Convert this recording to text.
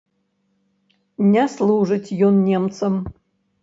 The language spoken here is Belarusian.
Не служыць ён немцам!